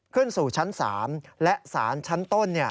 ขึ้นสู่ชั้น๓และสารชั้นต้น